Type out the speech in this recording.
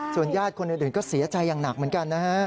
ญาติคนอื่นก็เสียใจอย่างหนักเหมือนกันนะฮะ